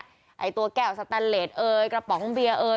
ไอ้ตัวแก้วสแตนเลสเอยกระป๋องเบียร์เอ่ย